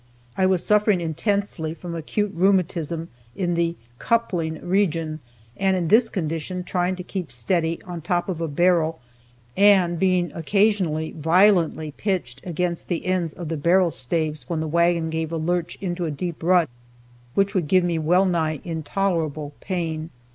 I was suffering intensely from acute rheumatism in the "coupling region," and in this condition trying to keep steady on the top of a barrel, and being occasionally violently pitched against the ends of the barrel staves when the wagon gave a lurch into a deep rut, which would give me well nigh intolerable pain.